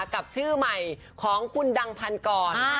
กับชื่อใหม่ของคุณดังพันกร